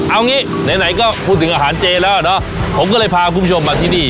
เอางี้ไหนก็พูดถึงอาหารเจแล้วเนอะผมก็เลยพาคุณผู้ชมมาที่นี่